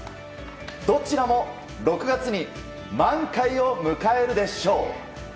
どちらも６月に満開を迎えるでしょう。